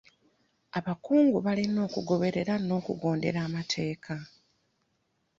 Abakungu balina okugoberera n'okugondera amateeka.